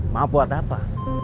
maaf buat apa